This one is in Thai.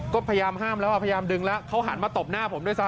ก็พยายามห้ามแล้วพยายามดึงแล้วเขาหันมาตบหน้าผมด้วยซ้